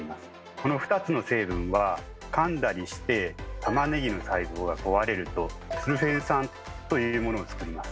この２つの成分はかんだりしてたまねぎの細胞が壊れると「スルフェン酸」というものをつくります。